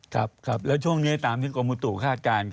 ครับแล้วช่วงนี้ตามทุกองมูตุคาดการณ์